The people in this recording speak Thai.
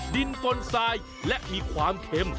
ดินปนทรายและมีความเค็ม